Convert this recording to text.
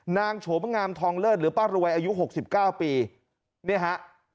โฉมงามทองเลิศหรือป้ารวยอายุหกสิบเก้าปีเนี่ยฮะ